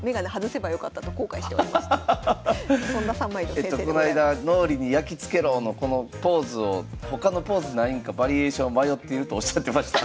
この間「脳裏にやきつけろ！」のこのポーズを他のポーズないんかバリエーション迷っているとおっしゃってました。